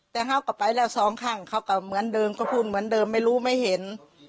แต่เขาก็ไปแล้วสองข้างเขาก็เหมือนเดิมก็พูดเหมือนเดิมไม่รู้ไม่เห็น